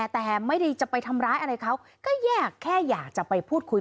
แต่ไม่ได้จะไปทำร้ายอะไรเขาก็แยกแค่อยากจะไปพูดคุย